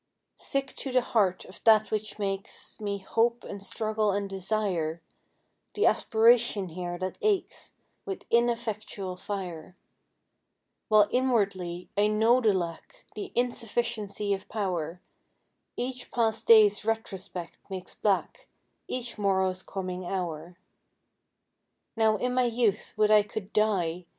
Sick to the heart of that which makes Me hope and struggle and desire, The aspiration here that aches With ineffectual fire; While inwardly I know the lack, The insufficiency of power, Each past day's retrospect makes black Each morrow's coming hour. Now in my youth would I could die!